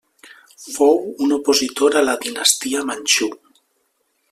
Fou un opositor a la dinastia manxú.